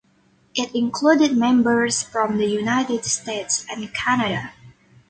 It included members from the United States and Canada.